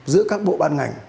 giữa các bộ ban ngành